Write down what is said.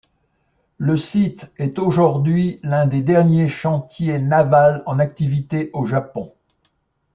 Le site est aujourd'hui l'un des derniers chantiers navals en activité au Japon.